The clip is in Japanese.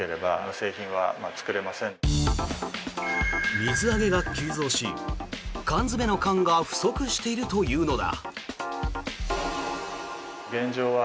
水揚げが急増し、缶詰の缶が不足しているというのだ。